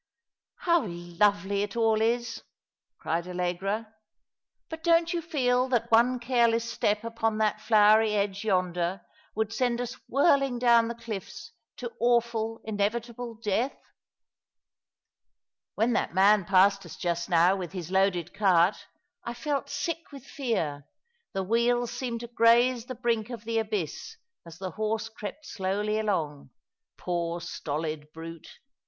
" How lovely it all is !" cried Allegra. " But don't you feel that one careless step upon that flowery edge yonder would send us whirling down the cliffs to awful, inevitable death ? When that man passed us just now with his loaded cart, I felt sick with fear — the wheels seemed to graze the brink of the abyss as the horse crept slowly along — poor stolid brute